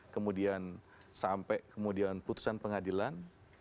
kemudian sampai kemudian putusan pengadilan